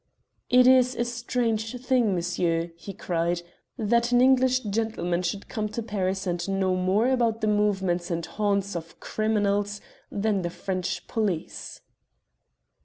"It is a strange thing, monsieur," he cried, "that an English gentleman should come to Paris and know more about the movements and haunts of criminals than the French police."